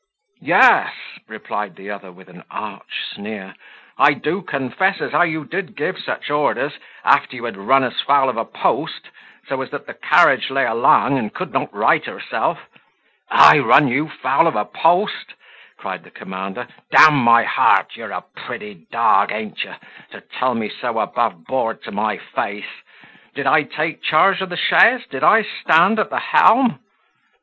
"Yes," replied the other, with an arch sneer, "I do confess as how you did give such orders, after you had run us foul of a post, so as that the carriage lay along, and could not right herself." "I run you foul of a post!" cried the commander: "d my heart! you're a pretty dog, an't you, to tell me so above board to my face? Did I take charge of the chaise? Did I stand at the helm?"